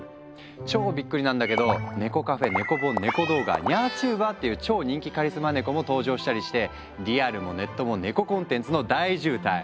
超びっくりなんだけど猫カフェネコ本ネコ動画ニャーチューバーっていう超人気カリスマネコも登場したりしてリアルもネットもネココンテンツの大渋滞。